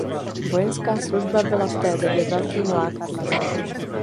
Vojenská služba byla v té době velkým lákadlem.